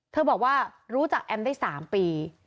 บอกว่ารู้จักแอมได้๓ปี